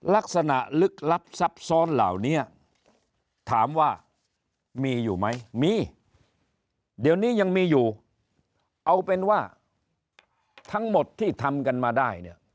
ลักษณะลึกลับซับซ้อนเหล่านี้ถามว่ามีอยู่ไหมมีเดี๋ยวนี้ยังมีอยู่เอาเป็นว่าทั้งหมดที่ทำกันมาได้เนี่ย